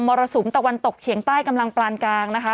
รสุมตะวันตกเฉียงใต้กำลังปลานกลางนะคะ